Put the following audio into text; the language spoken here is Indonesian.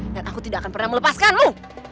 dan aku tidak akan pernah melepaskanmu